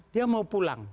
dia mau pulang